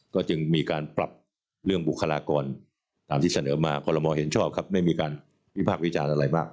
ก็จึงมีการปรับเรื่องบุคลากรตามที่เสนอมาคอลโมเห็นชอบครับได้มีการวิพากษ์วิจารณ์อะไรบ้าง